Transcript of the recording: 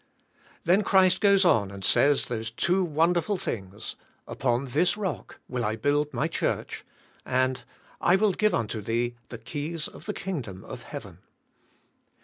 Then Christ g oes on and says those two wonderful thing's. "Upon this rock will I build m.j church," and "I will g ive unto thee the keys of the kingdom of heaven."